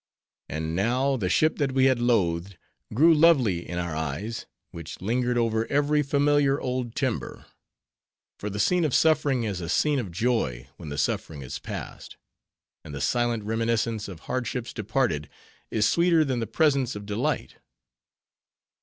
And now, the ship that we had loathed, grew lovely in our eyes, which lingered over every familiar old timber; for the scene of suffering is a scene of joy when the suffering is past; and the silent reminiscence of hardships departed, is sweeter than the presence of delight.